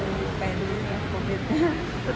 selalu pengen dulu ya covid sembilan belas